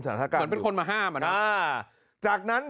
เหมือนเป็นคนมาห้ามอ่ะนะ